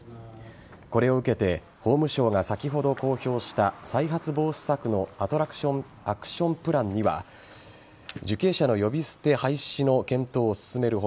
これを受けて法務省が先ほど公表した再発防止策のアクションプランには受刑者の呼び捨て廃止の検討を進める他